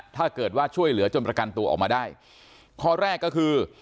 ถ้าเกิดว่าช่วยเหลือจนประกันตัวออกมาได้ข้อแรกก็คือ